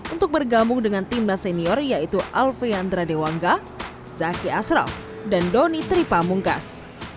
untuk bergabung dengan timnas senior yaitu alfeandra dewangga zaki ashraf dan doni tripamungkas